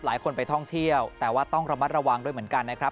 หลายคนไปท่องเที่ยวแต่ว่าต้องระมัดระวังด้วยเหมือนกันนะครับ